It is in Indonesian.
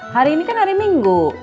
hari ini kan hari minggu